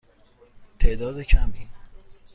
تعداد کمی.